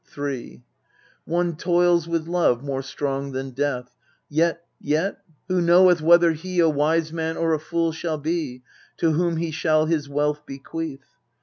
MEDEA 279 * III One toils with love more strong than death : Yet yet who knoweth whether he A wise man or a fool shall be To whom he shall his wealth bequeath